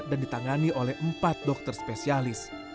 dan ditangani oleh empat dokter spesialis